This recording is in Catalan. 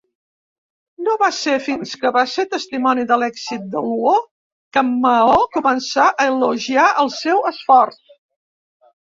No va ser fins que va ser testimoni de l'èxit de Luo que Mao començà a elogiar el seu esforç .